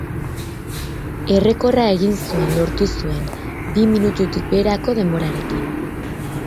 Errekorra egin zuen lortu zuen, bi minututik beherako denborarekin.